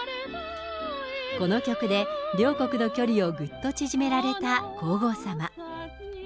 この曲で、両国の距離をぐっと縮められた皇后さま。